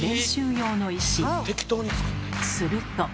すると。